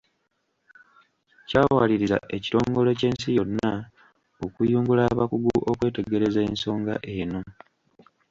Kyawaliriza ekitongole Ky'ensi yonna okuyungula abakugu okwetegereza ensonga eno.